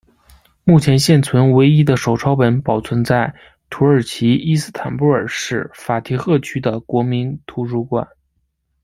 目前现存唯一的手抄本保存在土耳其伊斯坦布尔市法提赫区的国民图书馆。